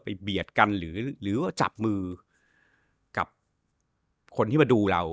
เบียดกันหรือว่าจับมือกับคนที่มาดูเรา